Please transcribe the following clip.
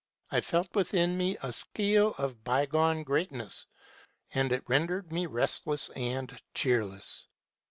I felt within me a scale of by gone greatness, and it rendered me restless and cheerless.